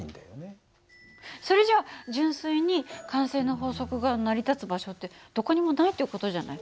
それじゃ純粋に慣性の法則が成り立つ場所ってどこにもないっていう事じゃない。